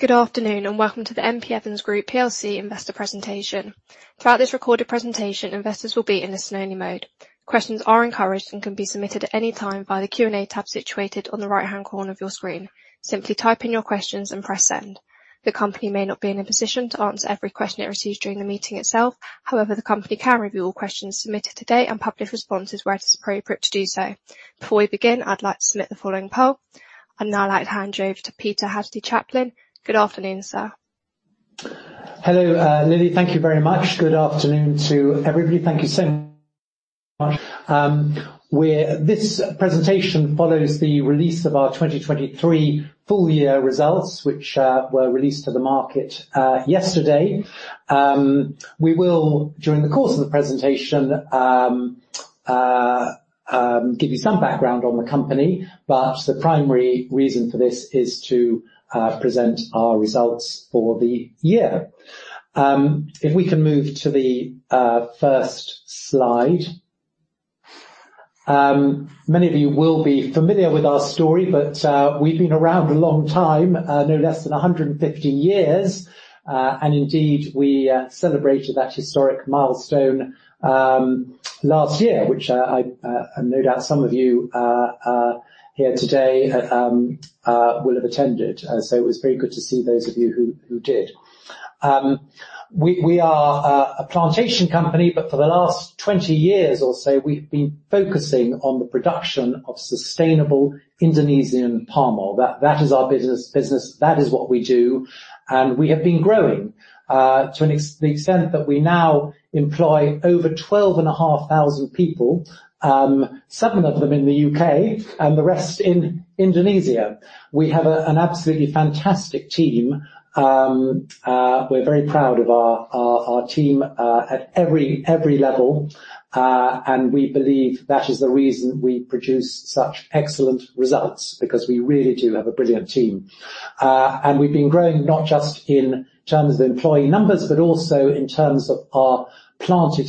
Good afternoon, and welcome to the M.P. Evans Group PLC investor presentation. Throughout this recorded presentation, investors will be in listen-only mode. Questions are encouraged and can be submitted at any time via the Q&A tab situated on the right-hand corner of your screen. Simply type in your questions and press Send. The company may not be in a position to answer every question it receives during the meeting itself. However, the company can review all questions submitted today and publish responses where it is appropriate to do so. Before we begin, I'd like to submit the following poll. I'd now like to hand you over to Peter Hadsley-Chaplin. Good afternoon, sir. Hello, Lily. Thank you very much. Good afternoon to everybody. Thank you so much. This presentation follows the release of our 2023 full year results, which were released to the market yesterday. We will, during the course of the presentation, give you some background on the company, but the primary reason for this is to present our results for the year. If we can move to the first slide. Many of you will be familiar with our story, but we've been around a long time, no less than 150 years. And indeed, we celebrated that historic milestone last year, which I no doubt some of you here today will have attended. So it was very good to see those of you who did. We are a plantation company, but for the last 20 years or so, we've been focusing on the production of sustainable Indonesian palm oil. That is our business. That is what we do, and we have been growing to the extent that we now employ over 12,500 people, 7 of them in the U.K. and the rest in Indonesia. We have an absolutely fantastic team. We're very proud of our team at every level, and we believe that is the reason we produce such excellent results, because we really do have a brilliant team. And we've been growing not just in terms of employee numbers, but also in terms of our planted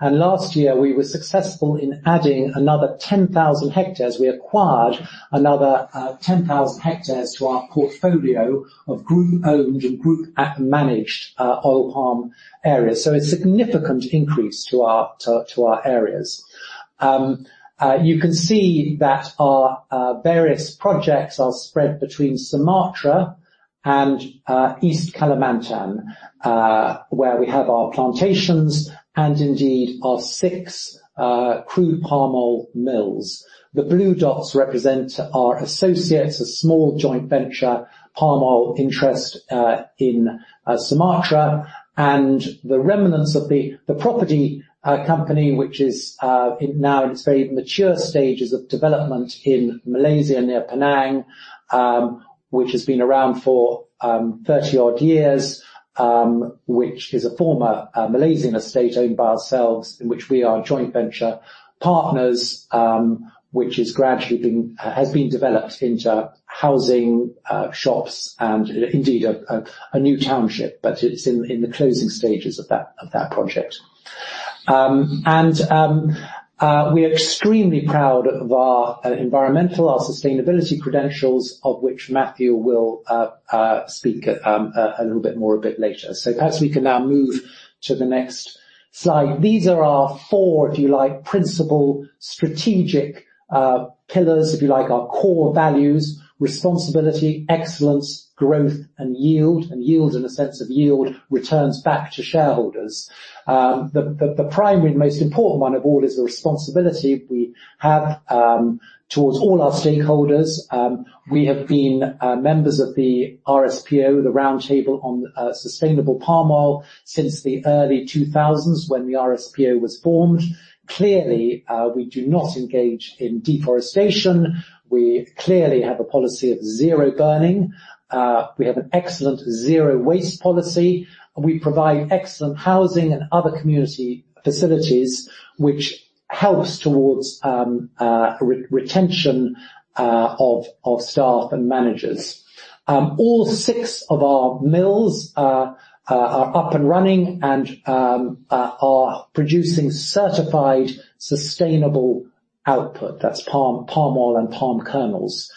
hectare. Last year, we were successful in adding another 10,000 hectares. We acquired another 10,000 hectares to our portfolio of group-owned and group-managed oil palm areas. A significant increase to our areas. You can see that our various projects are spread between Sumatra and East Kalimantan, where we have our plantations and indeed our six crude palm oil mills. The blue dots represent our associates, a small joint venture, palm oil interest, in Sumatra, and the remnants of the property company, which is now in its very mature stages of development in Malaysia, near Penang, which has been around for 30-odd years, which is a former Malaysian estate owned by ourselves, in which we are joint venture partners, which has been developed into housing, shops and indeed, a new township, but it's in the closing stages of that project. And we are extremely proud of our environmental, our sustainability credentials, of which Matthew will speak a little bit more a bit later. So perhaps we can now move to the next slide. These are our four, if you like, principal strategic pillars, if you like, our core values, responsibility, excellence, growth, and yield. And yield, in a sense of yield, returns back to shareholders. The primary, most important one of all is the responsibility we have towards all our stakeholders. We have been members of the RSPO, the Roundtable on Sustainable Palm Oil, since the early 2000s, when the RSPO was formed. Clearly, we do not engage in deforestation. We clearly have a policy of zero burning. We have an excellent zero waste policy. We provide excellent housing and other community facilities, which helps towards retention of staff and managers. All six of our mills are up and running and are producing certified sustainable output. That's palm oil and palm kernels.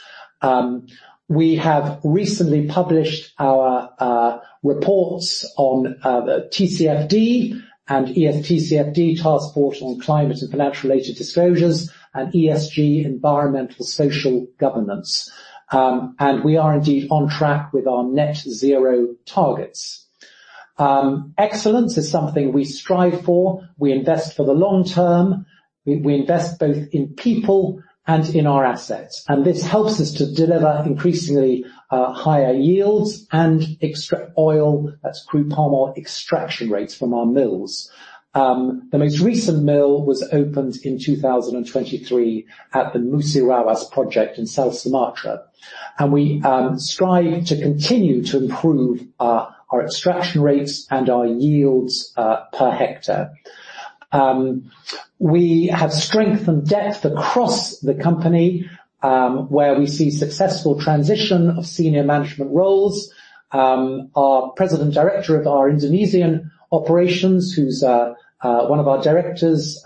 We have recently published our reports on TCFD, Task Force on Climate-related Financial Disclosures, and ESG, Environmental, Social, and Governance. We are indeed on track with our net zero targets. Excellence is something we strive for. We invest for the long term. We invest both in people and in our assets, and this helps us to deliver increasingly higher yields and OER, that's crude palm oil extraction rates from our mills. The most recent mill was opened in 2023 at the Musi Rawas project in South Sumatra, and we strive to continue to improve our extraction rates and our yields per hectare. We have strength and depth across the company, where we see successful transition of senior management roles-... Our President Director of our Indonesian operations, who's one of our directors,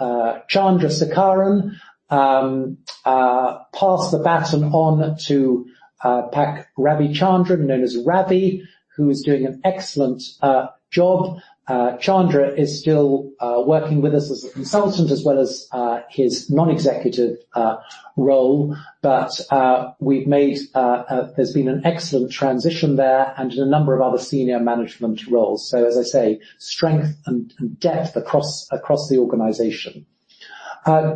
Chandra Sekaran, passed the baton on to Pak Ravichandran, known as Ravi, who is doing an excellent job. Chandra is still working with us as a consultant as well as his non-executive role. But we've made a—there's been an excellent transition there and in a number of other senior management roles. So, as I say, strength and depth across the organization.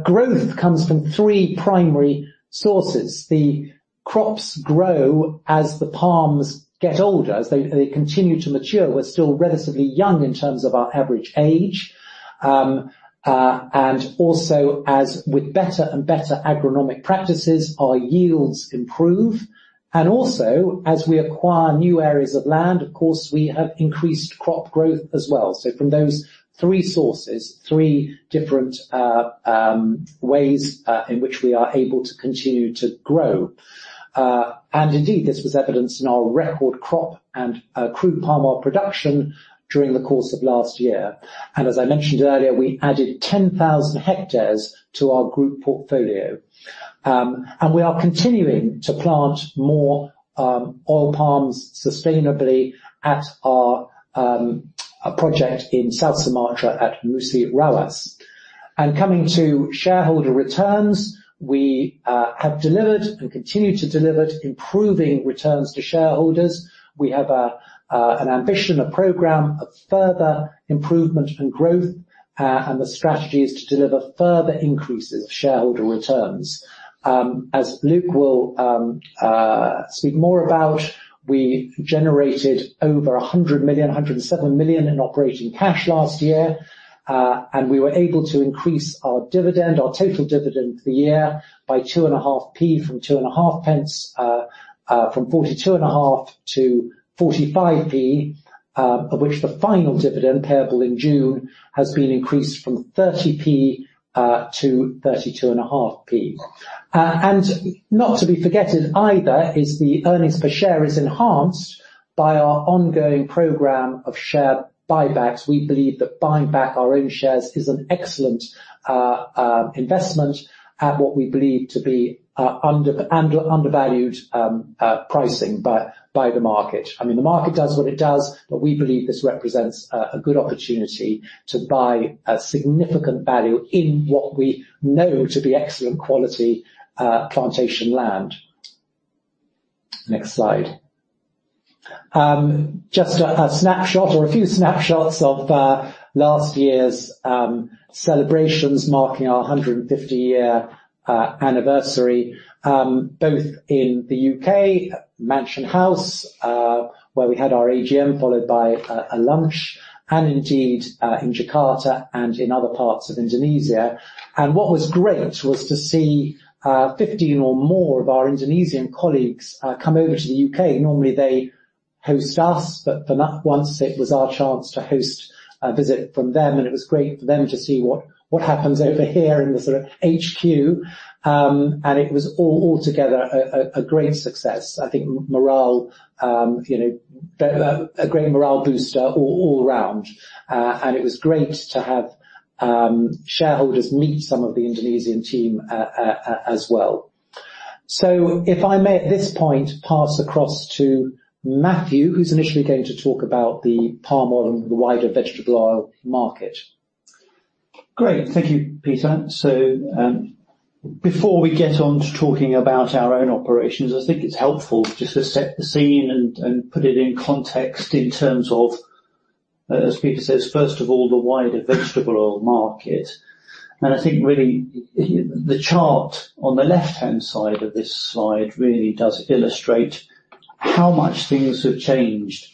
Growth comes from three primary sources. The crops grow as the palms get older, as they continue to mature. We're still relatively young in terms of our average age. and also, as with better and better agronomic practices, our yields improve, and also, as we acquire new areas of land, of course, we have increased crop growth as well. So from those three sources, three different ways in which we are able to continue to grow. and indeed, this was evidenced in our record crop and crude palm oil production during the course of last year. And as I mentioned earlier, we added 10,000 hectares to our group portfolio. and we are continuing to plant more oil palms sustainably at our a project in South Sumatra at Musi Rawas. And coming to shareholder returns, we have delivered and continue to deliver improving returns to shareholders. We have a, an ambition, a program, of further improvement and growth, and the strategy is to deliver further increases of shareholder returns. As Luke will speak more about, we generated over 100 million, 107 million in operating cash last year, and we were able to increase our dividend, our total dividend for the year, by 2.5p from 2.5 pence, from 42.5 to 45p, of which the final dividend, payable in June, has been increased from 30p to 32.5p. And not to be forgotten either, is the earnings per share is enhanced by our ongoing program of share buybacks. We believe that buying back our own shares is an excellent investment at what we believe to be undervalued pricing by the market. I mean, the market does what it does, but we believe this represents a good opportunity to buy a significant value in what we know to be excellent quality plantation land. Next slide. Just a snapshot or a few snapshots of last year's celebrations marking our 150-year anniversary both in the U.K., Mansion House, where we had our AGM, followed by a lunch, and indeed in Jakarta and in other parts of Indonesia. What was great was to see 15 or more of our Indonesian colleagues come over to the U.K. Normally they host us, but for once, it was our chance to host a visit from them, and it was great for them to see what happens over here in the sort of HQ. It was all altogether a great success. I think morale, you know, a great morale booster all around, and it was great to have shareholders meet some of the Indonesian team as well. So if I may, at this point, pass across to Matthew, who's initially going to talk about the palm oil and the wider vegetable oil market. Great. Thank you, Peter. So, before we get on to talking about our own operations, I think it's helpful just to set the scene and put it in context in terms of, as Peter says, first of all, the wider vegetable oil market. And I think really, the chart on the left-hand side of this slide really does illustrate how much things have changed,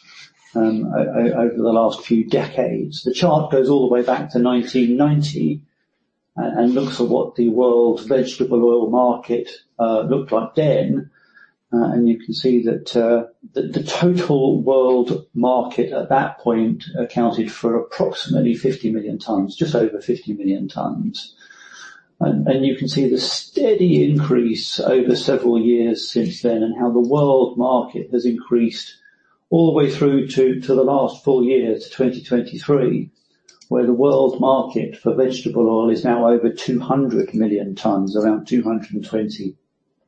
over the last few decades. The chart goes all the way back to 1990 and looks at what the world's vegetable oil market looked like then. And you can see that the total world market at that point accounted for approximately 50 million tons, just over 50 million tons. You can see the steady increase over several years since then, and how the world market has increased all the way through to the last full year, to 2023, where the world market for vegetable oil is now over 200 million tons, around 220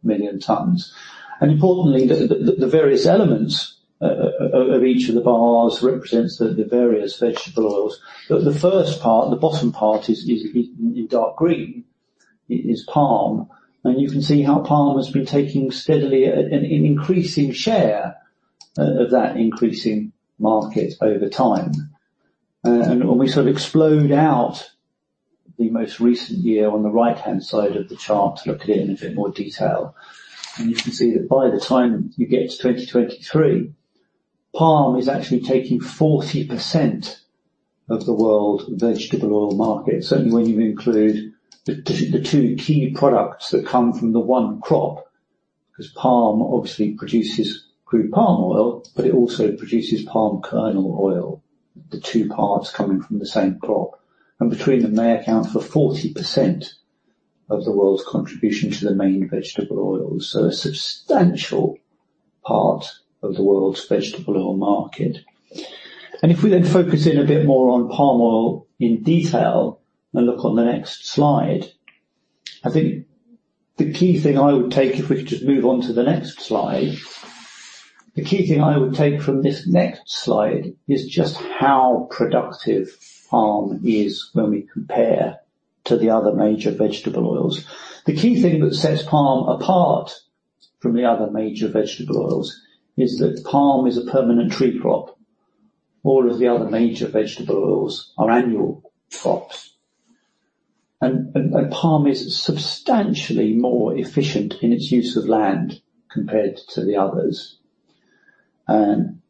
million tons. And importantly, the various elements of each of the bars represents the various vegetable oils. But the first part, the bottom part, is in dark green, is palm, and you can see how palm has been taking steadily an increasing share of that increasing market over time. and when we sort of explode out the most recent year on the right-hand side of the chart to look at it in a bit more detail, and you can see that by the time you get to 2023, palm is actually taking 40% of the world vegetable oil market, certainly when you include the two, the two key products that come from the one crop, 'cause palm obviously produces crude palm oil, but it also produces palm kernel oil, the two parts coming from the same crop. And between them, they account for 40%... of the world's contribution to the main vegetable oils, so a substantial part of the world's vegetable oil market. And if we then focus in a bit more on palm oil in detail and look on the next slide, I think the key thing I would take, if we could just move on to the next slide. The key thing I would take from this next slide is just how productive palm is when we compare to the other major vegetable oils. The key thing that sets palm apart from the other major vegetable oils is that palm is a permanent tree crop. All of the other major vegetable oils are annual crops, and palm is substantially more efficient in its use of land compared to the others. And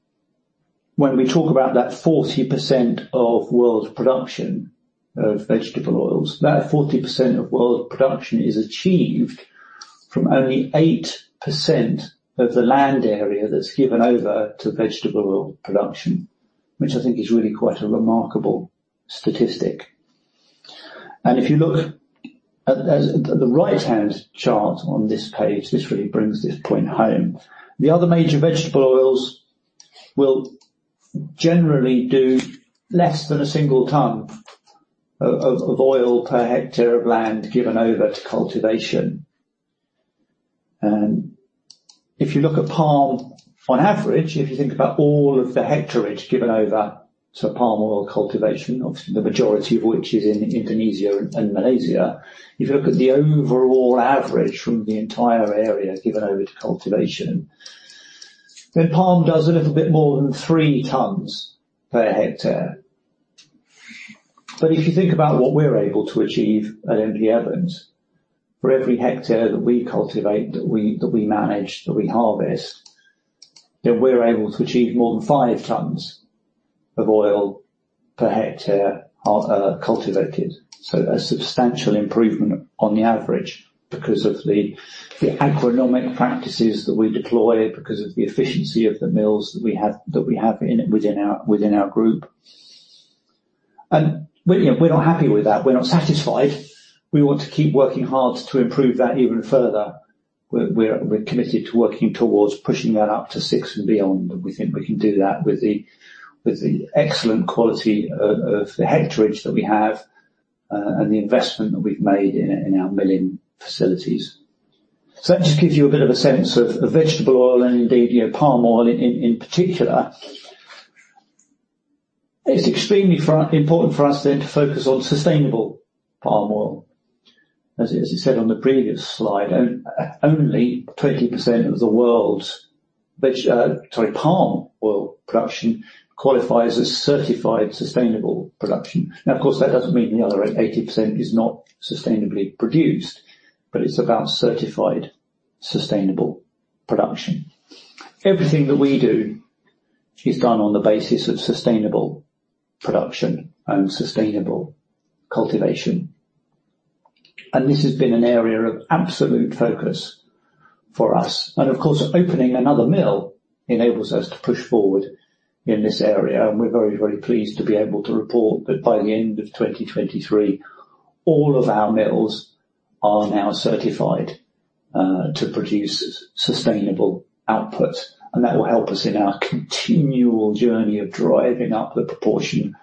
when we talk about that 40% of world production of vegetable oils, that 40% of world production is achieved from only 8% of the land area that's given over to vegetable oil production, which I think is really quite a remarkable statistic. And if you look at the right-hand chart on this page, this really brings this point home. The other major vegetable oils will generally do less than a single ton of oil per hectare of land given over to cultivation. And if you look at palm, on average, if you think about all of the hectare given over to palm oil cultivation, obviously, the majority of which is in Indonesia and Malaysia. If you look at the overall average from the entire area given over to cultivation, then palm does a little bit more than 3 tons per hectare. But if you think about what we're able to achieve at M.P. Evans, for every hectare that we cultivate, that we manage, that we harvest, then we're able to achieve more than 5 tons of oil per hectare cultivated. So a substantial improvement on the average, because of the agronomic practices that we deploy, because of the efficiency of the mills that we have within our group. And, you know, we're not happy with that. We're not satisfied. We want to keep working hard to improve that even further. We're committed to working towards pushing that up to 6 and beyond, and we think we can do that with the excellent quality of the hectare that we have, and the investment that we've made in our milling facilities. So that just gives you a bit of a sense of vegetable oil and indeed, palm oil in particular. It's extremely important for us then to focus on sustainable palm oil. As I said on the previous slide, only 20% of the world's palm oil production qualifies as certified sustainable production. Now, of course, that doesn't mean the other 80% is not sustainably produced, but it's about certified sustainable production. Everything that we do is done on the basis of sustainable production and sustainable cultivation, and this has been an area of absolute focus for us. Of course, opening another mill enables us to push forward in this area, and we're very, very pleased to be able to report that by the end of 2023, all of our mills are now certified to produce sustainable output. That will help us in our continual journey of driving up the proportion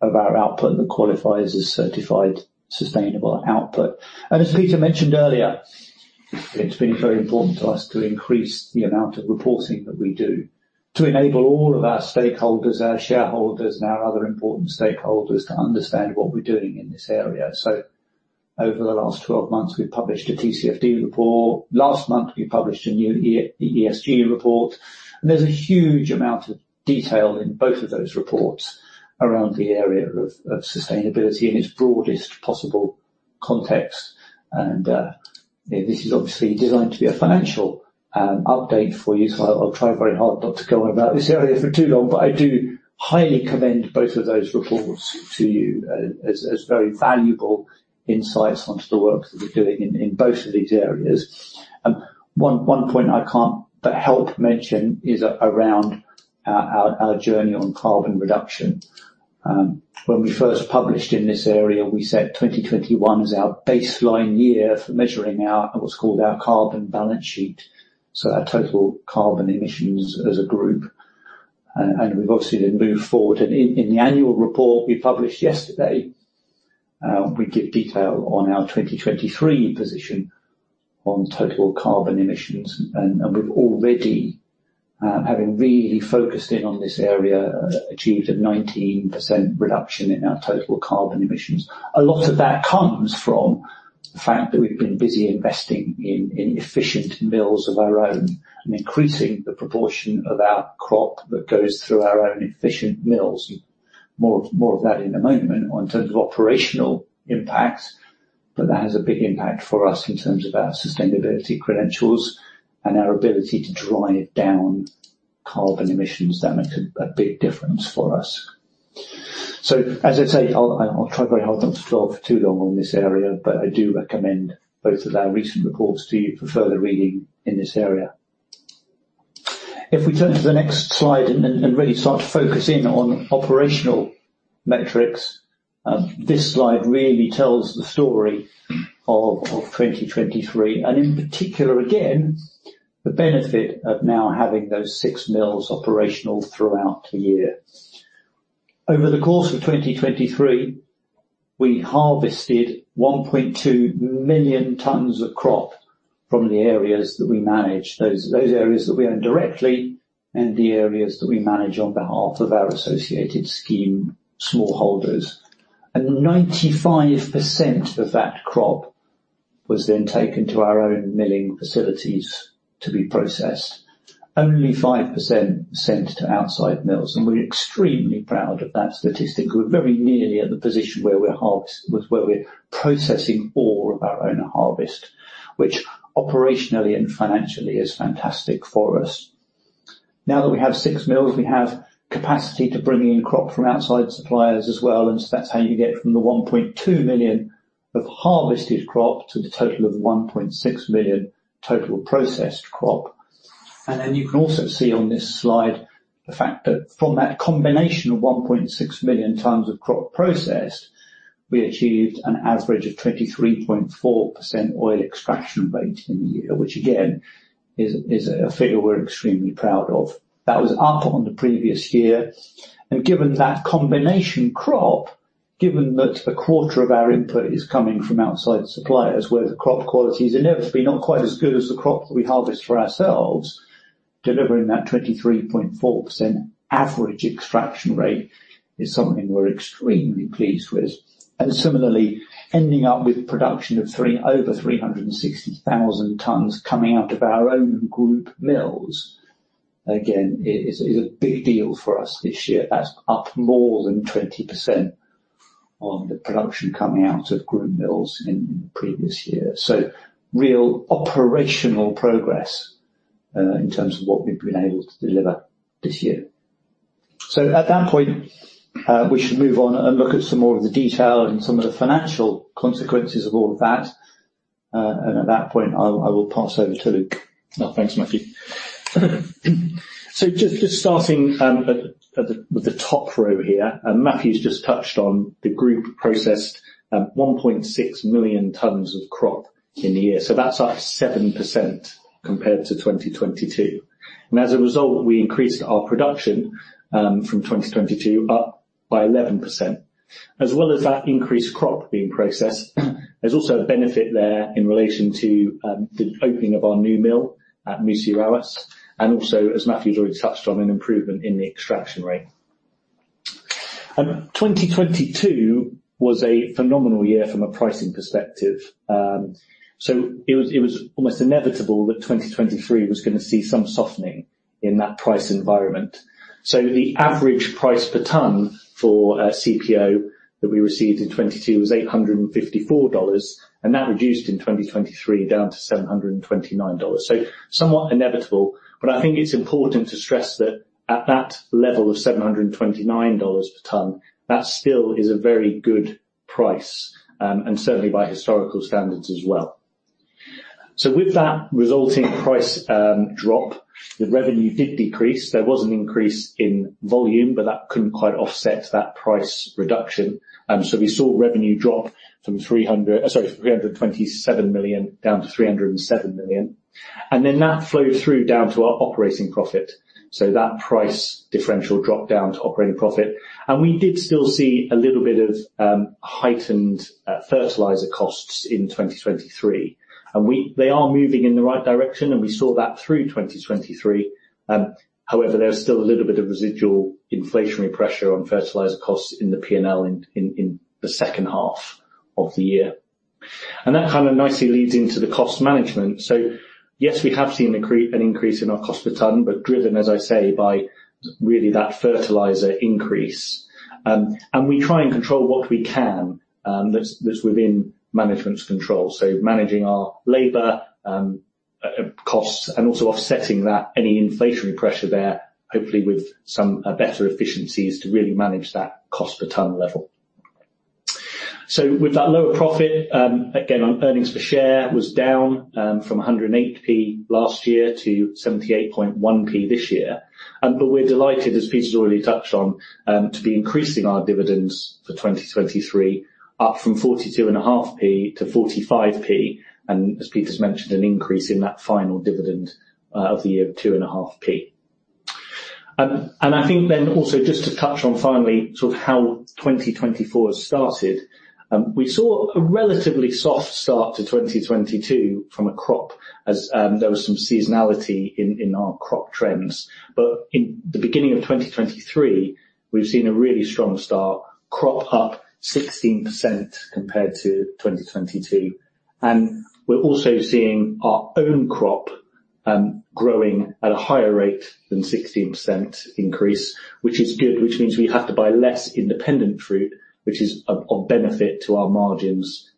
of our output that qualifies as certified sustainable output. As Peter mentioned earlier, it's been very important to us to increase the amount of reporting that we do, to enable all of our stakeholders, our shareholders, and our other important stakeholders to understand what we're doing in this area. So over the last 12 months, we've published a TCFD report. Last month, we published a new E&S ESG report, and there's a huge amount of detail in both of those reports around the area of sustainability in its broadest possible context. And, this is obviously designed to be a financial update for you, so I'll try very hard not to go on about this area for too long, but I do highly commend both of those reports to you as very valuable insights onto the work that we're doing in both of these areas. One point I can't but help mention is around our journey on carbon reduction. When we first published in this area, we set 2021 as our baseline year for measuring our, what's called our carbon balance sheet, so our total carbon emissions as a group, and we've obviously then moved forward. And in the annual report we published yesterday, we give detail on our 2023 position on total carbon emissions. And we've already having really focused in on this area achieved a 19% reduction in our total carbon emissions. A lot of that comes from the fact that we've been busy investing in efficient mills of our own and increasing the proportion of our crop that goes through our own efficient mills. More of that in a moment on terms of operational impacts, but that has a big impact for us in terms of our sustainability credentials and our ability to drive down carbon emissions that make a big difference for us. So as I say, I'll try very hard not to talk for too long on this area, but I do recommend both of our recent reports to you for further reading in this area.... If we turn to the next slide and really start to focus in on operational metrics, this slide really tells the story of 2023, and in particular, again, the benefit of now having those six mills operational throughout the year. Over the course of 2023, we harvested 1.2 million tons of crop from the areas that we manage, those areas that we own directly, and the areas that we manage on behalf of our associated scheme smallholders. And 95% of that crop was then taken to our own milling facilities to be processed, only 5% sent to outside mills, and we're extremely proud of that statistic. We're very nearly at the position where we're processing all of our own harvest, which operationally and financially is fantastic for us. Now that we have six mills, we have capacity to bring in crop from outside suppliers as well, and so that's how you get from the 1.2 million of harvested crop to the total of 1.6 million total processed crop. Then you can also see on this slide, the fact that from that combination of 1.6 million tons of crop processed, we achieved an average of 23.4% oil extraction rate in the year, which again is a figure we're extremely proud of. That was up on the previous year, and given that combination crop, given that a quarter of our input is coming from outside suppliers, where the crop quality is inevitably not quite as good as the crop that we harvest for ourselves, delivering that 23.4% average extraction rate is something we're extremely pleased with. And similarly, ending up with production of over 360,000 tons coming out of our own group mills, again, is a big deal for us this year. That's up more than 20% on the production coming out of group mills in the previous year. So real operational progress in terms of what we've been able to deliver this year. So at that point, we should move on and look at some more of the detail and some of the financial consequences of all of that. And at that point, I will pass over to Luke. Oh, thanks, Matthew. So just starting at the top row here, and Matthew's just touched on the group processed 1.6 million tons of crop in the year, so that's up 7% compared to 2022. And as a result, we increased our production from 2022, up by 11%. As well as that increased crop being processed, there's also a benefit there in relation to the opening of our new mill at Musi Rawas, and also, as Matthew's already touched on, an improvement in the extraction rate. 2022 was a phenomenal year from a pricing perspective, so it was almost inevitable that 2023 was gonna see some softening in that price environment. The average price per ton for CPO that we received in 2022 was $854, and that reduced in 2023 down to $729. So somewhat inevitable, but I think it's important to stress that at that level of $729 per ton, that still is a very good price, and certainly by historical standards as well. So with that resulting price drop, the revenue did decrease. There was an increase in volume, but that couldn't quite offset that price reduction. So we saw revenue drop from $327 million, down to $307 million, and then that flowed through down to our operating profit. So that price differential dropped down to operating profit, and we did still see a little bit of heightened fertilizer costs in 2023. And they are moving in the right direction, and we saw that through 2023. However, there was still a little bit of residual inflationary pressure on fertilizer costs in the P&L in the second half of the year. And that kind of nicely leads into the cost management. So yes, we have seen an increase in our cost per ton, but driven, as I say, by really that fertilizer increase. And we try and control what we can, that's within management's control, so managing our labor costs and also offsetting that, any inflationary pressure there, hopefully with some better efficiencies to really manage that cost per ton level. So with that lower profit, again, on earnings per share, was down, from 108p last year to 78.1p this year. But we're delighted, as Peter's already touched on, to be increasing our dividends for 2023, up from 42.5p to 45p, and as Peter's mentioned, an increase in that final dividend, of the year, 2.5p. And I think then also just to touch on finally, sort of how 2024 has started, we saw a relatively soft start to 2022 from a crop as, there was some seasonality in our crop trends. But in the beginning of 2023, we've seen a really strong start, crop up 16% compared to 2022, and we're also seeing our own crop growing at a higher rate than 16% increase, which is good, which means we have to buy less independent fruit, which is of benefit to our margins,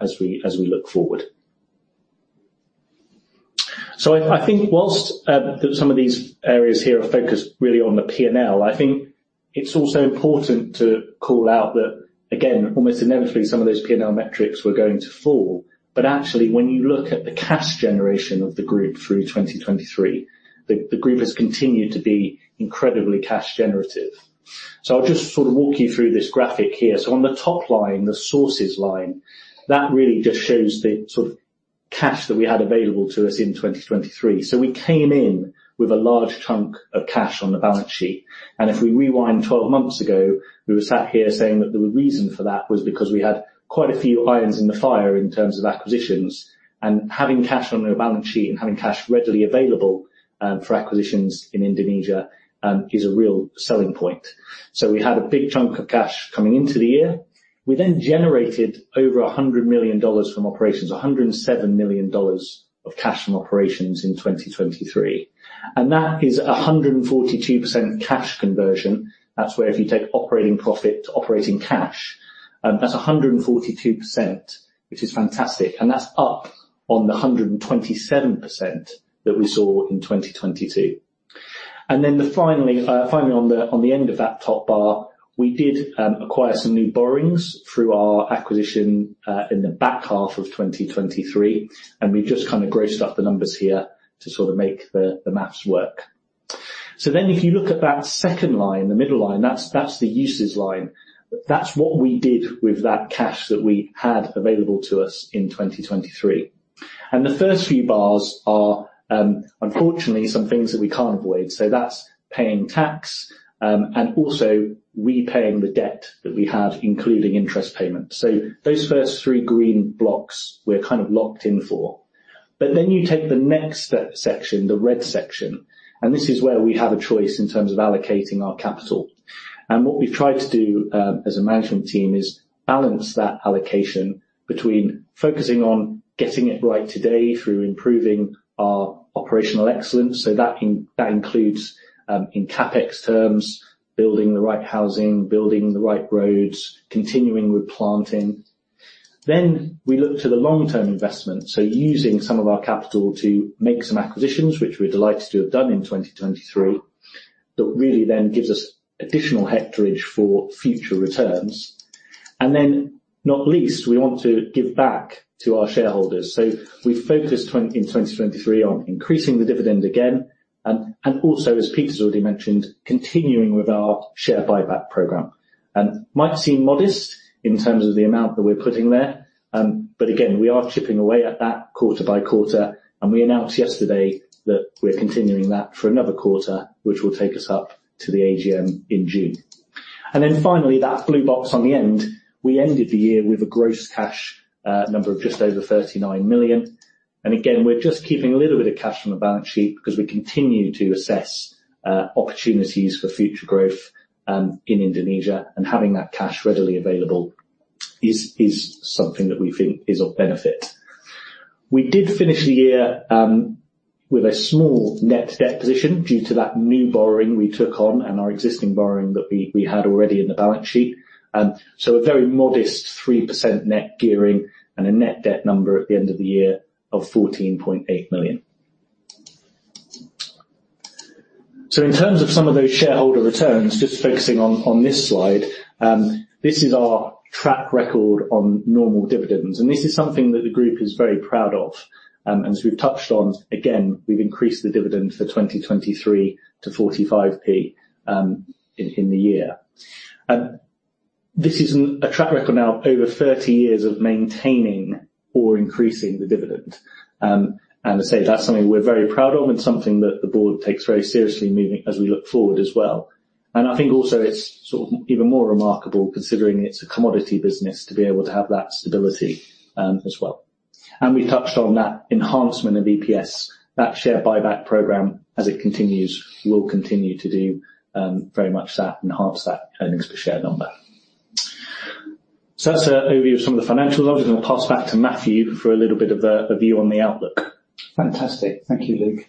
as we look forward. So I think whilst some of these areas here are focused really on the P&L, I think it's also important to call out that, again, almost inevitably, some of those P&L metrics were going to fall. But actually, when you look at the cash generation of the group through 2023, the group has continued to be incredibly cash generative. So I'll just sort of walk you through this graphic here. So on the top line, the sources line, that really just shows the sort of cash that we had available to us in 2023. So we came in with a large chunk of cash on the balance sheet, and if we rewind twelve months ago, we were sat here saying that the reason for that was because we had quite a few irons in the fire in terms of acquisitions, and having cash on our balance sheet and having cash readily available for acquisitions in Indonesia is a real selling point. So we had a big chunk of cash coming into the year. We then generated over $100 million from operations, $107 million of cash from operations in 2023, and that is 142% cash conversion. That's where if you take operating profit to operating cash, that's 142%, which is fantastic, and that's up on the 127% that we saw in 2022. And then finally, on the end of that top bar, we did acquire some new borrowings through our acquisition in the back half of 2023, and we've just kind of grossed up the numbers here to sort of make the math work. So then if you look at that second line, the middle line, that's the usage line. That's what we did with that cash that we had available to us in 2023. And the first few bars are unfortunately some things that we can't avoid. So that's paying tax and also repaying the debt that we have, including interest payments. So those first three green blocks we're kind of locked in for. But then you take the next step section, the red section, and this is where we have a choice in terms of allocating our capital. And what we've tried to do, as a management team, is balance that allocation between focusing on getting it right today through improving our operational excellence. So that includes, in CapEx terms, building the right housing, building the right roads, continuing with planting. Then we look to the long-term investments, so using some of our capital to make some acquisitions, which we're delighted to have done in 2023, that really then gives us additional hectarage for future returns. And then, not least, we want to give back to our shareholders. So we focused in 2023 on increasing the dividend again, and also, as Peter's already mentioned, continuing with our share buyback program. It might seem modest in terms of the amount that we're putting there, but again, we are chipping away at that quarter-by-quarter, and we announced yesterday that we're continuing that for another quarter, which will take us up to the AGM in June. And then finally, that blue box on the end, we ended the year with a gross cash number of just over 39 million. And again, we're just keeping a little bit of cash on the balance sheet because we continue to assess opportunities for future growth in Indonesia, and having that cash readily available is something that we think is of benefit. We did finish the year with a small net debt position due to that new borrowing we took on and our existing borrowing that we had already in the balance sheet. So a very modest 3% net gearing and a net debt number at the end of the year of 14.8 million. So in terms of some of those shareholder returns, just focusing on this slide, this is our track record on normal dividends, and this is something that the group is very proud of. And as we've touched on, again, we've increased the dividend for 2023 to 45p in the year. This is a track record now over 30 years of maintaining or increasing the dividend. And to say that's something we're very proud of and something that the board takes very seriously moving as we look forward as well. I think also it's sort of even more remarkable, considering it's a commodity business, to be able to have that stability, as well. We touched on that enhancement of EPS. That share buyback program, as it continues, will continue to do very much that, enhance that earnings per share number. So that's an overview of some of the financial items, and I'll pass back to Matthew for a little bit of a view on the outlook. Fantastic. Thank you, Luke.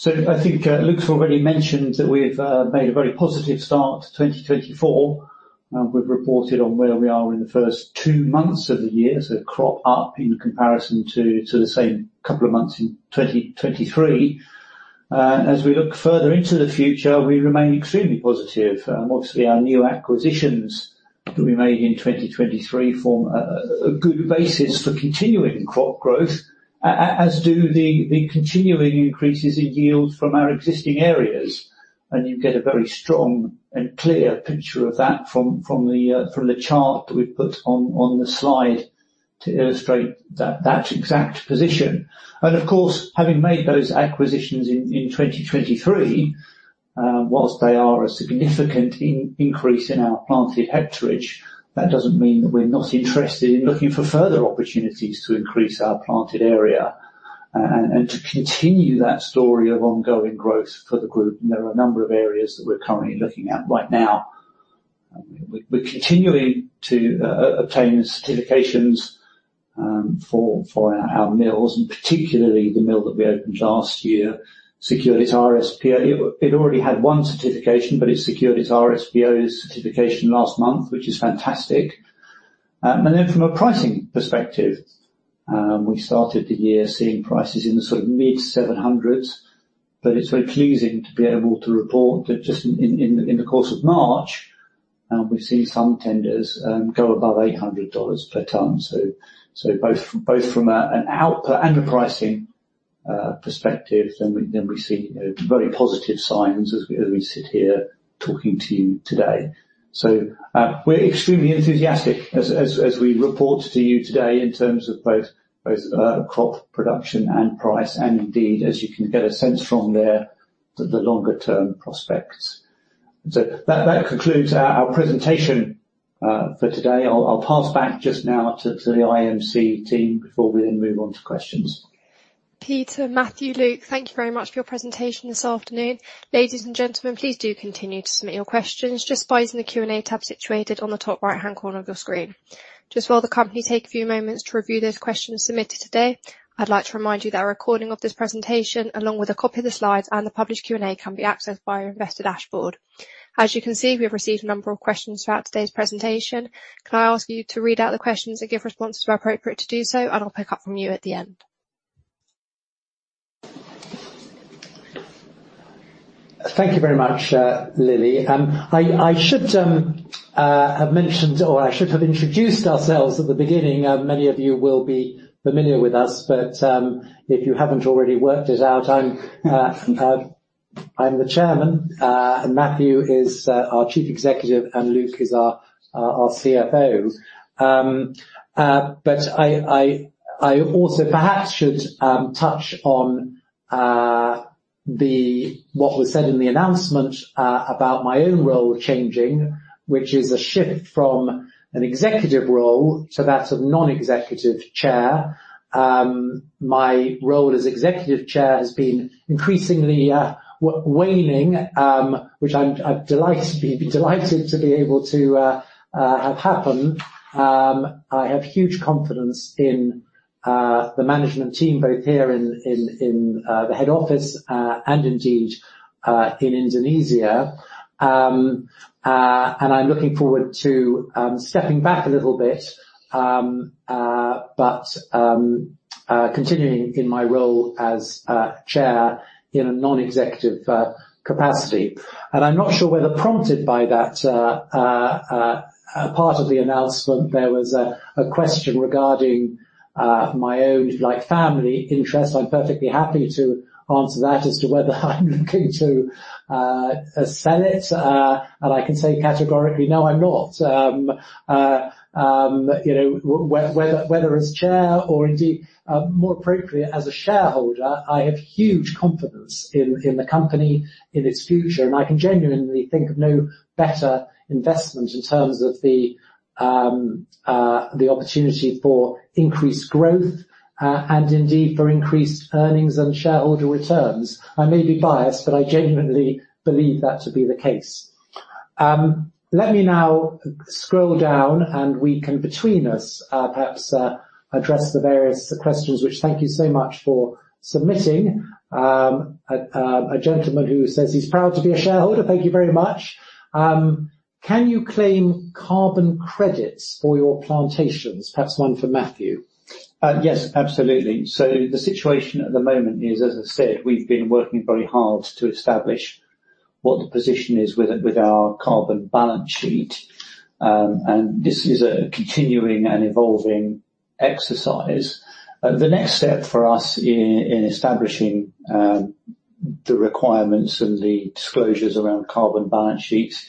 So I think, Luke's already mentioned that we've made a very positive start to 2024, and we've reported on where we are in the first two months of the year, so crop up in comparison to the same couple of months in 2023. As we look further into the future, we remain extremely positive. Obviously, our new acquisitions that we made in 2023 form a good basis for continuing crop growth, as do the continuing increases in yields from our existing areas. And you get a very strong and clear picture of that from the chart that we've put on the slide to illustrate that exact position. And of course, having made those acquisitions in 2023, while they are a significant increase in our planted hectarage, that doesn't mean that we're not interested in looking for further opportunities to increase our planted area, and to continue that story of ongoing growth for the group. And there are a number of areas that we're currently looking at right now. We're continuing to obtain certifications for our mills, and particularly the mill that we opened last year secured its RSPO. It already had one certification, but it secured its RSPO certification last month, which is fantastic. And then from a pricing perspective, we started the year seeing prices in the sort of mid-$700s, but it's very pleasing to be able to report that just in the course of March, we've seen some tenders go above $800 per ton. So both from an output and a pricing perspective, then we see, you know, very positive signs as we sit here talking to you today. So we're extremely enthusiastic as we report to you today in terms of both crop production and price, and indeed, as you can get a sense from there, the longer term prospects. So that concludes our presentation for today. I'll pass back just now to the IMC team before we then move on to questions. Peter, Matthew, Luke, thank you very much for your presentation this afternoon. Ladies and gentlemen, please do continue to submit your questions just by using the Q&A tab situated on the top right-hand corner of your screen. Just while the company take a few moments to review those questions submitted today, I'd like to remind you that a recording of this presentation, along with a copy of the slides and the published Q&A, can be accessed via Investor Dashboard. As you can see, we have received a number of questions throughout today's presentation. Can I ask you to read out the questions and give responses where appropriate to do so, and I'll pick up from you at the end. Thank you very much, Lily. I should have mentioned, or I should have introduced ourselves at the beginning. Many of you will be familiar with us, but if you haven't already worked it out, I'm the Chairman, and Matthew is our Chief Executive, and Luke is our CFO. But I also perhaps should touch on what was said in the announcement about my own role changing, which is a shift from an Executive Chair role to that of Non-Executive Chair. My role as Executive Chair has been increasingly waning, which I'm delighted to be able to have happen. I have huge confidence in the management team, both here in the head office, and indeed in Indonesia. And I'm looking forward to stepping back a little bit, but continuing in my role as chair in a non-executive capacity. And I'm not sure whether prompted by that part of the announcement, there was a question regarding my own, like, family interest. I'm perfectly happy to answer that as to whether I'm looking to sell it, and I can say categorically, no, I'm not. You know, whether as chair or indeed, more appropriately, as a shareholder, I have huge confidence in the company, in its future, and I can genuinely think of no better investment in terms of the opportunity for increased growth, and indeed for increased earnings and shareholder returns. I may be biased, but I genuinely believe that to be the case. Let me now scroll down, and we can, between us, perhaps, address the various questions, which, thank you so much for submitting. A gentleman who says he's proud to be a shareholder, thank you very much. Can you claim carbon credits for your plantations? Perhaps one for Matthew. Yes, absolutely. So the situation at the moment is, as I said, we've been working very hard to establish what the position is with, with our carbon balance sheet, and this is a continuing and evolving exercise. The next step for us in, in establishing, the requirements and the disclosures around carbon balance sheets is,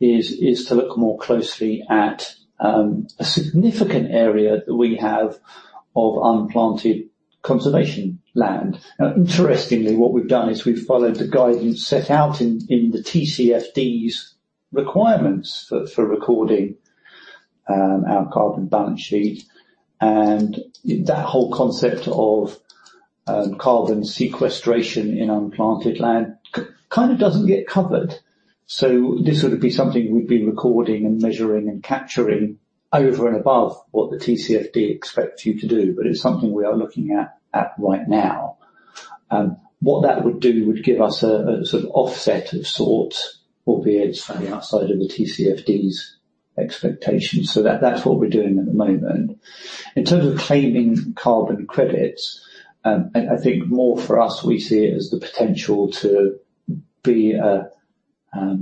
is to look more closely at, a significant area that we have of unplanted conservation land. Interestingly, what we've done is we've followed the guidance set out in, in the TCFD's requirements for, for recording, our carbon balance sheet, and that whole concept of, carbon sequestration in unplanted land kind of doesn't get covered. So this would be something we'd be recording and measuring and capturing over and above what the TCFD expects you to do, but it's something we are looking at, at right now. What that would do would give us a sort of offset of sorts, albeit it's fairly outside of the TCFD's expectations, so that's what we're doing at the moment. In terms of claiming carbon credits, I think more for us, we see it as the potential to be a,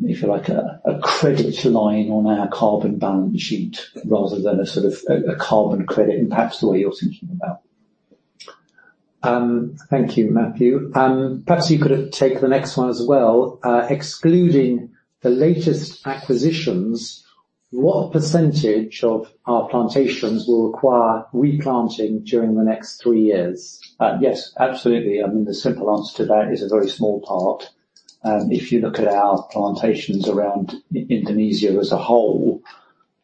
if you like, a credit line on our carbon balance sheet, rather than a sort of a carbon credit, and perhaps the way you're thinking about. Thank you, Matthew. Perhaps you could take the next one as well. Excluding the latest acquisitions, what percentage of our plantations will require replanting during the next three years? Yes, absolutely. I mean, the simple answer to that is a very small part. If you look at our plantations around Indonesia as a whole,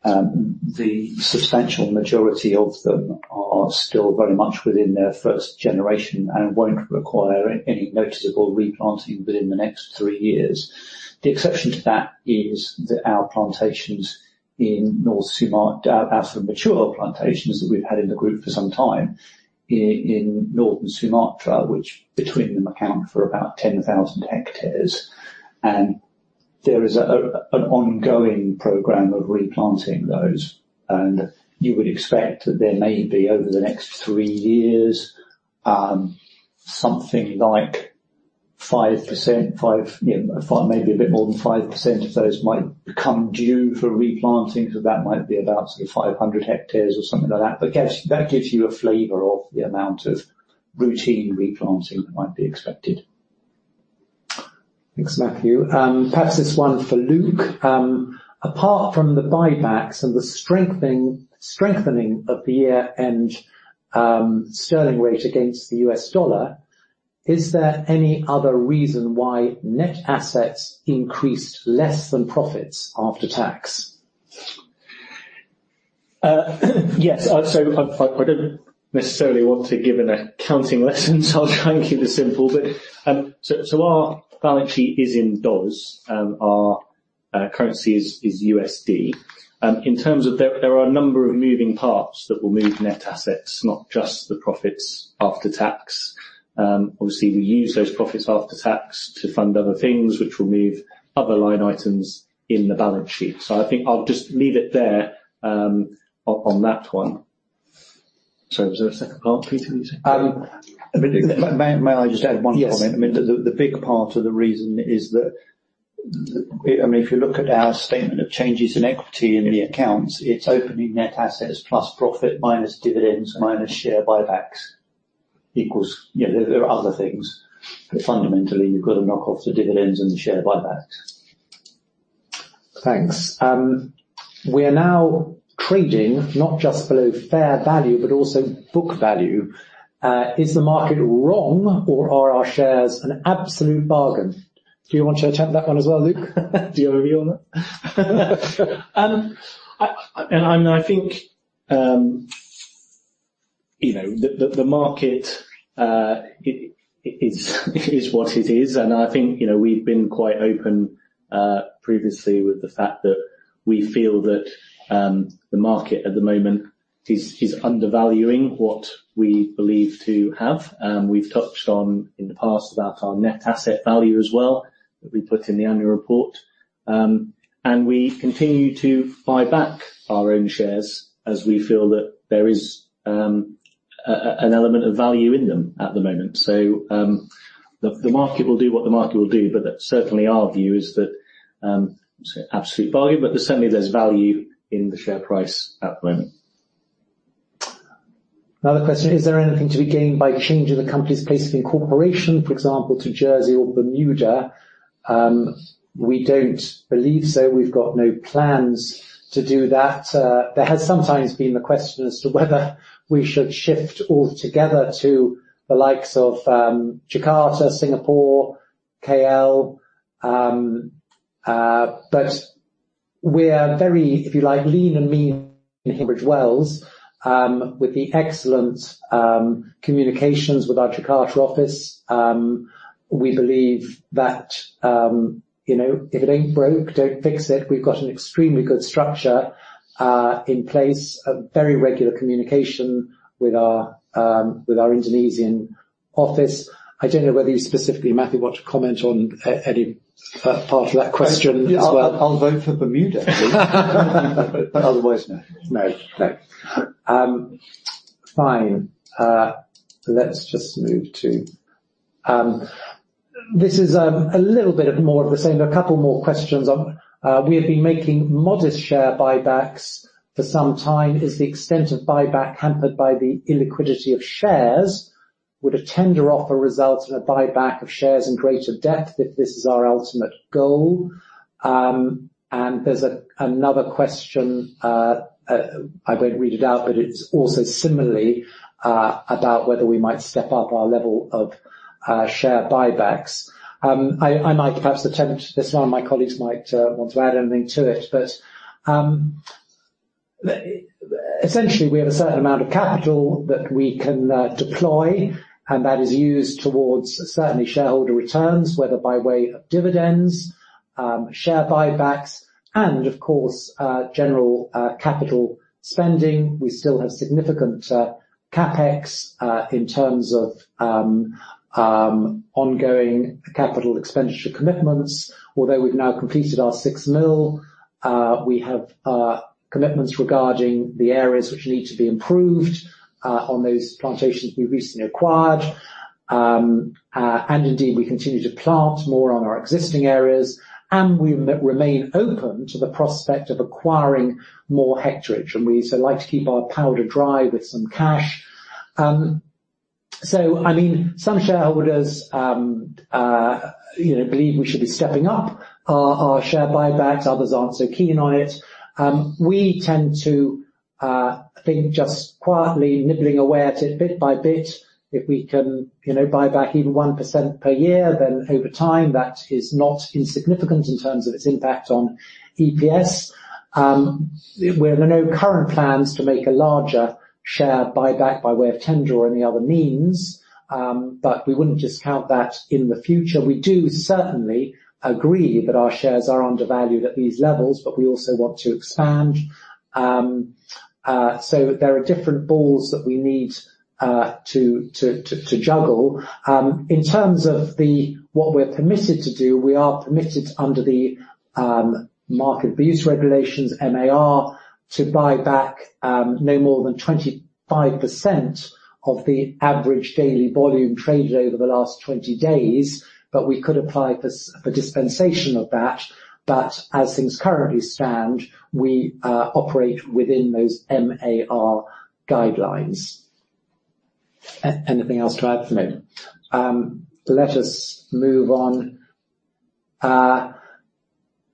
the substantial majority of them are still very much within their first generation and won't require any noticeable replanting within the next three years. The exception to that is that our plantations in North Sumatra, our mature plantations that we've had in the group for some time in northern Sumatra, which between them account for about 10,000 hectares. There is an ongoing program of replanting those, and you would expect that there may be over the next three years something like 5%, 5, you know, 5, maybe a bit more than 5% of those might become due for replanting. So that might be about sort of 500 hectares or something like that. But guess that gives you a flavor of the amount of routine replanting that might be expected. Thanks, Matthew. Perhaps this one for Luke. Apart from the buybacks and the strengthening of the year-end sterling rate against the U.S. dollar, is there any other reason why net assets increased less than profits after tax? Yes. So I don't necessarily want to give an accounting lesson, so I'll try and keep it simple. But, so our balance sheet is in dollars, and our currency is USD. In terms of there, there are a number of moving parts that will move net assets, not just the profits after tax. Obviously, we use those profits after tax to fund other things which will move other line items in the balance sheet. So I think I'll just leave it there, on that one. Was there a second part, Peter, you said? I mean, may I just add one comment? Yes. I mean, the big part of the reason is that, I mean, if you look at our statement of changes in equity in the accounts, it's opening net assets, plus profit, minus dividends, minus share buybacks, equals ... You know, there are other things, but fundamentally, you've got to knock off the dividends and the share buybacks. Thanks. We are now trading not just below fair value, but also book value. Is the market wrong, or are our shares an absolute bargain? Do you want to attempt that one as well, Luke? Do you have a view on that? I mean, I think, you know, the market, it is what it is. And I think, you know, we've been quite open, previously with the fact that we feel that the market at the moment is undervaluing what we believe to have. We've touched on in the past about our net asset value as well, that we put in the annual report. And we continue to buy back our own shares as we feel that there is an element of value in them at the moment. So, the market will do what the market will do, but certainly our view is that absolute value, but certainly there's value in the share price at the moment. Another question: Is there anything to be gained by changing the company's place of incorporation, for example, to Jersey or Bermuda? We don't believe so. We've got no plans to do that. There has sometimes been the question as to whether we should shift altogether to the likes of, Jakarta, Singapore, KL. But we're very, if you like, lean and mean in Tunbridge Wells, with the excellent communications with our Jakarta office. We believe that, you know, if it ain't broke, don't fix it. We've got an extremely good structure, in place, a very regular communication with our, with our Indonesian office. I don't know whether you specifically, Matthew, want to comment on any part of that question as well. I'll vote for Bermuda. But otherwise, no. No, no. Fine. Let's just move to... This is a little bit of more of the same. There are a couple more questions on: We have been making modest share buybacks for some time. Is the extent of buyback hampered by the illiquidity of shares? Would a tender offer result in a buyback of shares in greater depth if this is our ultimate goal? And there's another question, I won't read it out, but it's also similarly about whether we might step up our level of share buybacks. I might perhaps attempt this one. My colleagues might want to add anything to it, but essentially, we have a certain amount of capital that we can deploy, and that is used towards certainly shareholder returns, whether by way of dividends, share buybacks, and of course, general capital spending. We still have significant CapEx in terms of ongoing capital expenditure commitments. Although we've now completed our six mills, we have commitments regarding the areas which need to be improved on those plantations we recently acquired. And indeed, we continue to plant more on our existing areas, and we remain open to the prospect of acquiring more hectare, and we also like to keep our powder dry with some cash. So I mean, some shareholders, you know, believe we should be stepping up our share buybacks, others aren't so keen on it. We tend to, I think, just quietly nibbling away at it bit by bit. If we can, you know, buy back even 1% per year, then over time, that is not insignificant in terms of its impact on EPS. Well, there are no current plans to make a larger share buyback by way of tender or any other means, but we wouldn't discount that in the future. We do certainly agree that our shares are undervalued at these levels, but we also want to expand. So there are different balls that we need to juggle. In terms of what we're permitted to do, we are permitted under the Market Abuse Regulation (MAR) to buy back no more than 25% of the average daily volume traded over the last 20 days, but we could apply for dispensation of that. But as things currently stand, we operate within those MAR guidelines. Anything else to add, Luke? Let us move on.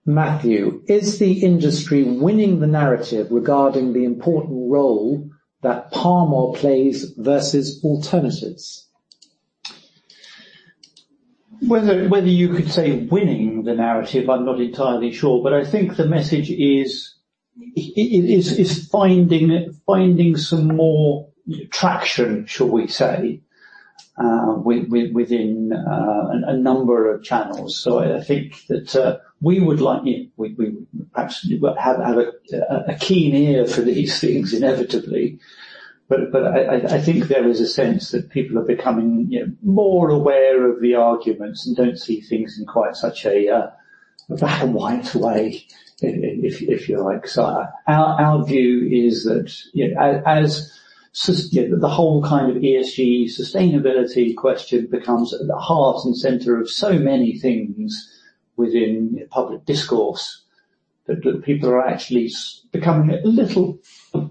Matthew, is the industry winning the narrative regarding the important role that palm oil plays versus alternatives? Whether you could say winning the narrative, I'm not entirely sure, but I think the message is finding it finding some more traction, shall we say, within a number of channels. So I think that we would like, you know, we absolutely have a keen ear for these things, inevitably. But I think there is a sense that people are becoming, you know, more aware of the arguments and don't see things in quite such a black and white way, if you like. So our view is that, you know, the whole kind of ESG sustainability question becomes at the heart and center of so many things within public discourse, that people are actually becoming a little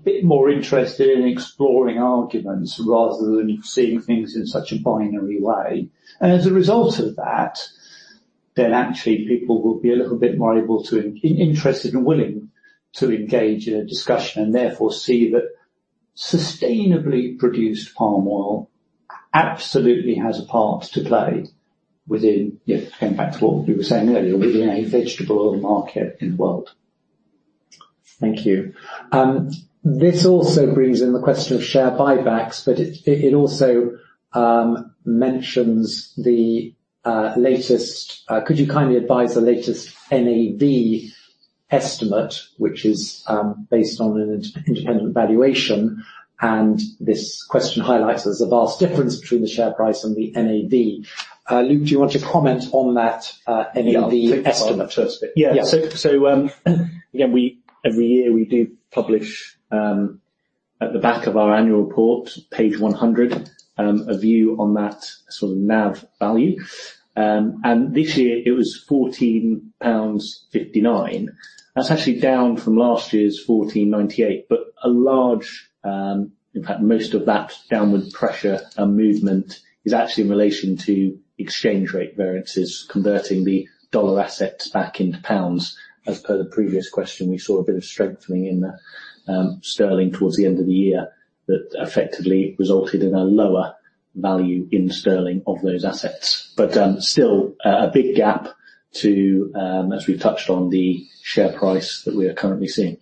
bit more interested in exploring arguments rather than seeing things in such a binary way. And as a result of that, then actually people will be a little bit more able to interested and willing to engage in a discussion, and therefore see that sustainably produced palm oil absolutely has a part to play within, you know, going back to what we were saying earlier, within a vegetable oil market in the world. Thank you. This also brings in the question of share buybacks, but it also mentions the latest. Could you kindly advise the latest NAV estimate, which is based on an independent valuation, and this question highlights there's a vast difference between the share price and the NAV. Luke, do you want to comment on that NAV estimate? Yeah, the first bit. Yeah. So, again, we every year, we do publish, at the back of our annual report, page 100, a view on that sort of NAV value. And this year it was 14.59 pounds. That's actually down from last year's 14.98, but a large, in fact, most of that downward pressure and movement is actually in relation to exchange rate variances, converting the dollar assets back into pounds. As per the previous question, we saw a bit of strengthening in the, sterling towards the end of the year, that effectively resulted in a lower value in sterling of those assets. But, still, a big gap to, as we've touched on, the share price that we are currently seeing.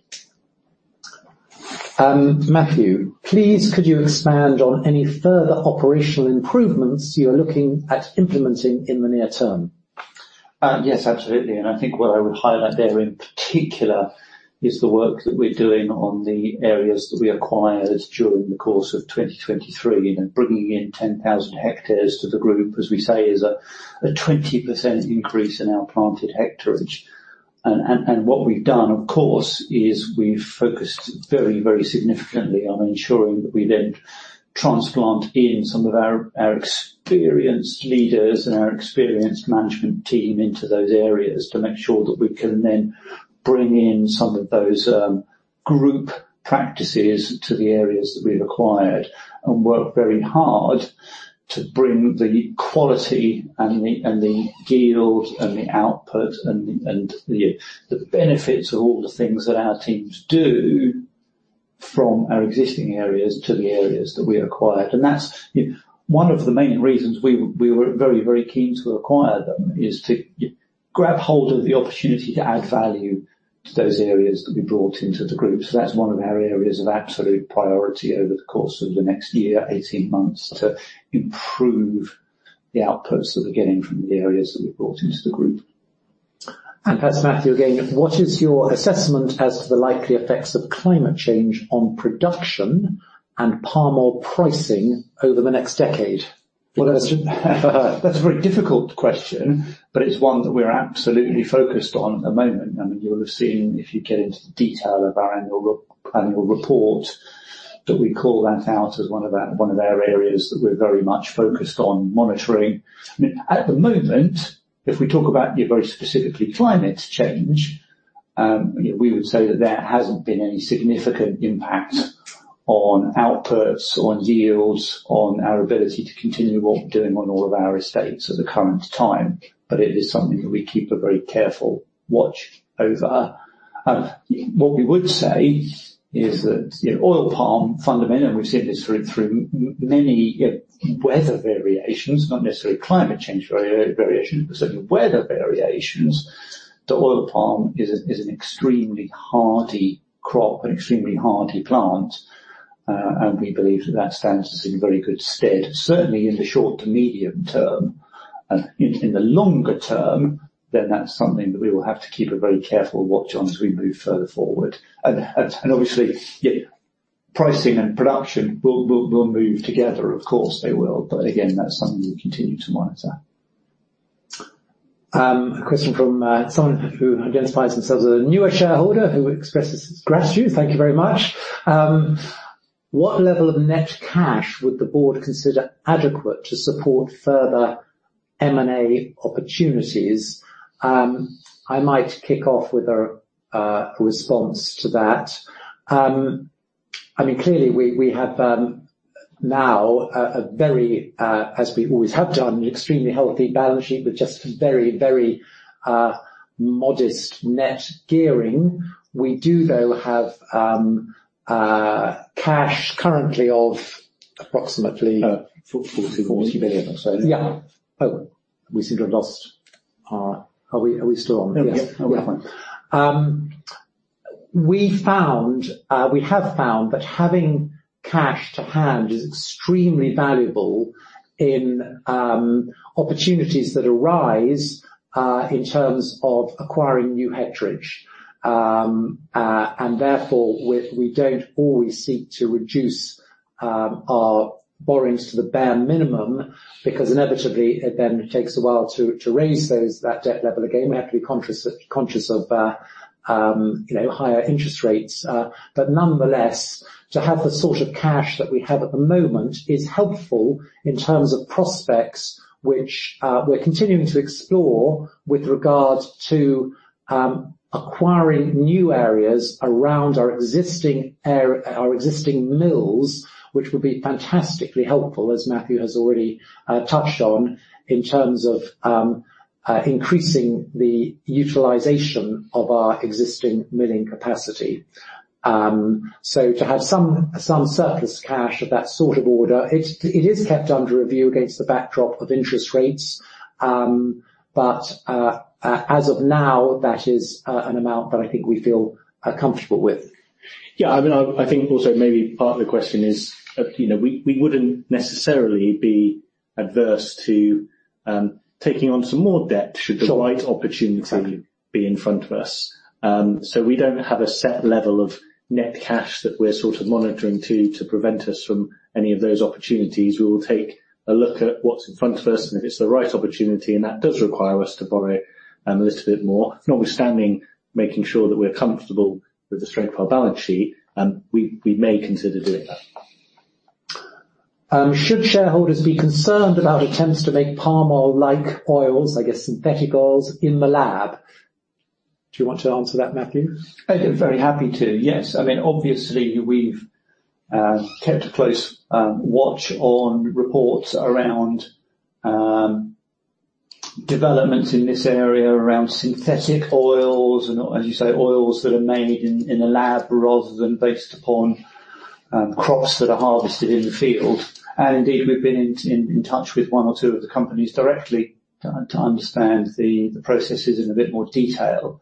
Matthew, please, could you expand on any further operational improvements you are looking at implementing in the near term? Yes, absolutely. And I think what I would highlight there, in particular, is the work that we're doing on the areas that we acquired during the course of 2023, and bringing in 10,000 hectares to the group, as we say, is a 20% increase in our planted hectareage. And what we've done, of course, is we've focused very, very significantly on ensuring that we then transplant in some of our experienced leaders and our experienced management team into those areas to make sure that we can then bring in some of those group practices to the areas that we've acquired. And work very hard to bring the quality and the yield, and the output, and the benefits of all the things that our teams do from our existing areas to the areas that we acquired. That's, you know, one of the main reasons we were very, very keen to acquire them, is to grab hold of the opportunity to add value to those areas that we brought into the group. That's one of our areas of absolute priority over the course of the next year, 18 months, to improve the outputs that we're getting from the areas that we've brought into the group. That's Matthew again: What is your assessment as to the likely effects of climate change on production and palm oil pricing over the next decade? Well, that's a very difficult question, but it's one that we're absolutely focused on at the moment. I mean, you'll have seen, if you get into the detail of our annual report, that we call that out as one of our, one of our areas that we're very much focused on monitoring. I mean, at the moment, if we talk about, you know, very specifically climate change, you know, we would say that there hasn't been any significant impact on outputs, on yields, on our ability to continue what we're doing on all of our estates at the current time, but it is something that we keep a very careful watch over. What we would say is that, you know, oil palm fundamentally, we've seen this through many, you know, weather variations, not necessarily climate change variations, but certainly weather variations, that oil palm is an extremely hardy crop, an extremely hardy plant, and we believe that that stands us in very good stead, certainly in the short to medium term. And in the longer term, then that's something that we will have to keep a very careful watch on as we move further forward. And obviously, yeah, pricing and production will move together. Of course, they will. But again, that's something we continue to monitor. A question from someone who identifies themselves as a newer shareholder, who expresses his gratitude. Thank you very much. What level of net cash would the board consider adequate to support further M&A opportunities? I might kick off with a response to that. I mean, clearly, we have now a very, as we always have done, an extremely healthy balance sheet with just very, very modest net gearing. We do, though, have cash currently of approximately- 40 million. 40 million or so. Yeah. Oh, we seem to have lost our... Are we, are we still on? Yeah. Okay, fine. We have found that having cash to hand is extremely valuable in opportunities that arise in terms of acquiring new acreage. And therefore, we don't always seek to reduce our borrowings to the bare minimum, because inevitably, it then takes a while to raise that debt level again. We have to be conscious of you know, higher interest rates, but nonetheless, to have the sort of cash that we have at the moment is helpful in terms of prospects, which we're continuing to explore with regard to acquiring new areas around our existing area, our existing mills, which will be fantastically helpful, as Matthew has already touched on, in terms of increasing the utilization of our existing milling capacity. So to have some surplus cash of that sort of order, it is kept under review against the backdrop of interest rates. But as of now, that is an amount that I think we feel comfortable with. Yeah, I mean, I think also maybe part of the question is, you know, we wouldn't necessarily be adverse to taking on some more debt- Sure. should the right opportunity Exactly. - be in front of us. So we don't have a set level of net cash that we're sort of monitoring to, to prevent us from any of those opportunities. We will take a look at what's in front of us, and if it's the right opportunity, and that does require us to borrow, a little bit more, notwithstanding, making sure that we're comfortable with the strength of our balance sheet, we, we may consider doing that. Should shareholders be concerned about attempts to make palm oil-like oils, I guess, synthetic oils, in the lab? Do you want to answer that, Matthew? I'd be very happy to. Yes. I mean, obviously, we've kept a close watch on reports around developments in this area, around synthetic oils and as you say, oils that are made in a lab, rather than based upon crops that are harvested in the field. And indeed, we've been in touch with one or two of the companies directly to understand the processes in a bit more detail.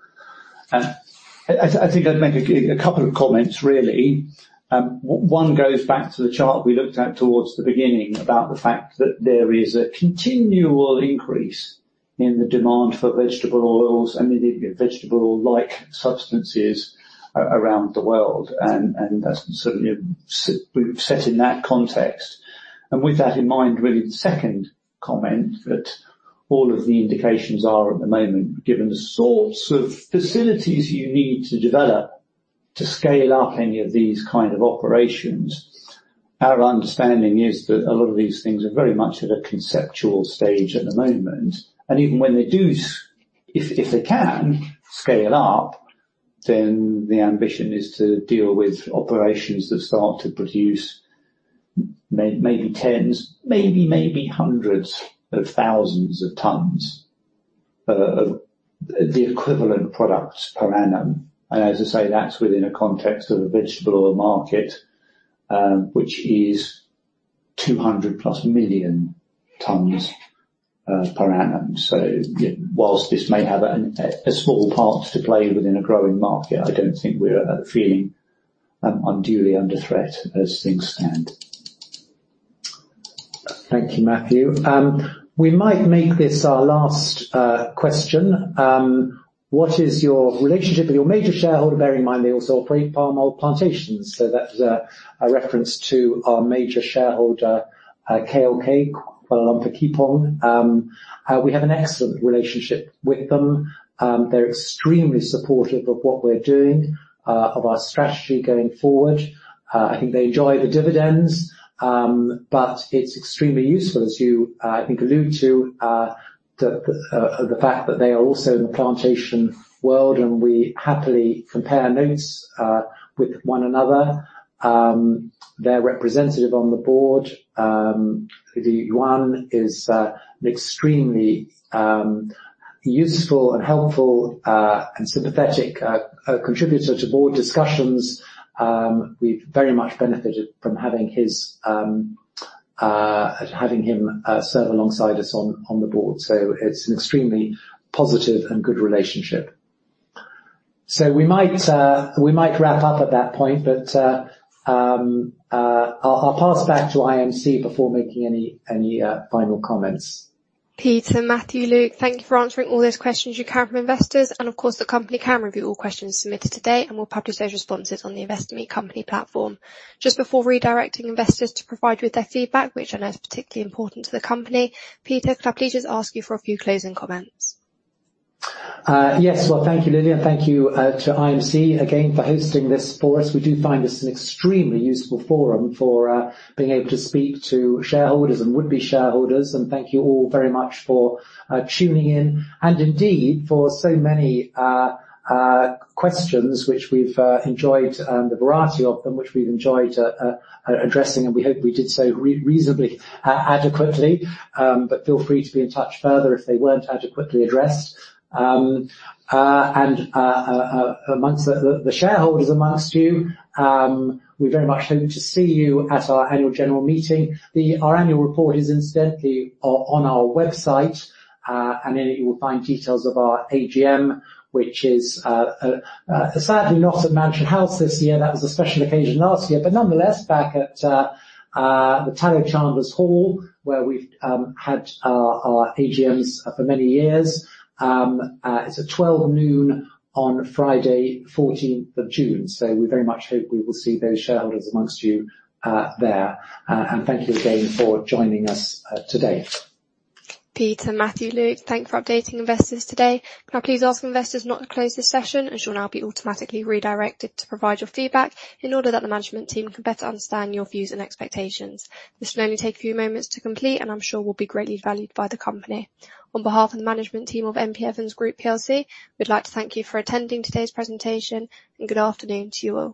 I think I'd make a couple of comments, really. One goes back to the chart we looked at towards the beginning about the fact that there is a continual increase in the demand for vegetable oils and indeed, vegetable-like substances around the world, and that's certainly we've set in that context. And with that in mind, really, the second comment, that all of the indications are at the moment, given the sorts of facilities you need to develop to scale up any of these kind of operations, our understanding is that a lot of these things are very much at a conceptual stage at the moment, and even when they do if, if they can scale up, then the ambition is to deal with operations that start to produce maybe tens, maybe hundreds of thousands of tons of the equivalent products per annum. And as I say, that's within a context of the vegetable oil market, which is 200+ million tons per annum. So while this may have a small part to play within a growing market, I don't think we're feeling unduly under threat as things stand. Thank you, Matthew. We might make this our last question. What is your relationship with your major shareholder, bearing in mind they also operate palm oil plantations? So that's a reference to our major shareholder, KLK, Kuala Lumpur Kepong. We have an excellent relationship with them. They're extremely supportive of what we're doing, of our strategy going forward. I think they enjoy the dividends, but it's extremely useful, as you, I think, allude to, the fact that they are also in the plantation world, and we happily compare notes with one another. Their representative on the board, Yuan, is an extremely useful and helpful, and sympathetic contributor to board discussions. We've very much benefited from having him serve alongside us on the board, so it's an extremely positive and good relationship. So we might wrap up at that point, but I'll pass back to IMC before making any final comments. Peter, Matthew, Luke, thank you for answering all those questions you can from investors, and of course, the company can review all questions submitted today, and we'll publish those responses on the Investor Meet Company platform. Just before redirecting investors to provide you with their feedback, which I know is particularly important to the company, Peter, can I please just ask you for a few closing comments? Yes. Well, thank you, Lily, thank you to IMC again for hosting this for us. We do find this an extremely useful forum for being able to speak to shareholders and would-be shareholders, and thank you all very much for tuning in, and indeed, for so many questions, which we've enjoyed the variety of them, which we've enjoyed addressing, and we hope we did so reasonably adequately. But feel free to be in touch further if they weren't adequately addressed. And amongst the shareholders amongst you, we very much hope to see you at our annual general meeting. Our annual report is incidentally on our website, and in it, you will find details of our AGM, which is sadly not at Mansion House this year. That was a special occasion last year, but nonetheless, back at the Tallow Chandlers' Hall, where we've had our AGMs for many years. It's at 12:00 noon on Friday, fourteenth of June, so we very much hope we will see those shareholders among you there. And thank you again for joining us today. Peter, Matthew, Luke, thank you for updating investors today. Can I please ask investors not to close this session, and you will now be automatically redirected to provide your feedback in order that the management team can better understand your views and expectations. This will only take a few moments to complete, and I'm sure will be greatly valued by the company. On behalf of the management team of M.P. Evans Group PLC, we'd like to thank you for attending today's presentation, and good afternoon to you all.